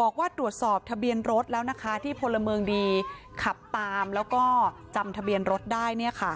บอกว่าตรวจสอบทะเบียนรถแล้วนะคะที่พลเมืองดีขับตามแล้วก็จำทะเบียนรถได้เนี่ยค่ะ